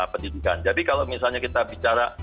pendidikan jadi kalau misalnya kita bicara